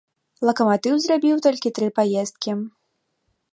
Лакаматыў зрабіў толькі тры паездкі.